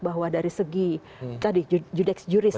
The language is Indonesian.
bahwa dari segi tadi judeks juris